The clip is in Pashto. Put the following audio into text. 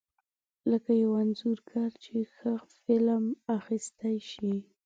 لکه یو انځورګر چې ښه فلم اخیستی شي.